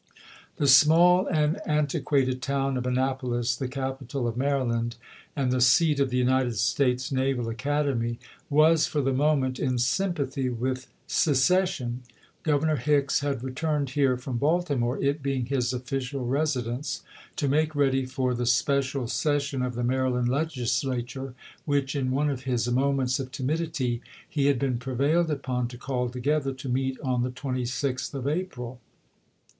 The small and antiquated town of Annapolis, the capital of Maryland and the seat of the United States Naval Academy, was for the moment in sympathy with secession. Governor Hicks had returned here from Baltimore, it being his official residence, to make ready for the special session 136 ABEAHAM LINCOLN Chap. VII. of the Maryland Legislature, which, in one of his monaents of timidity, he had been prevailed upon to call together to meet on the 26th of April.